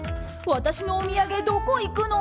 私のお土産どこ行くの。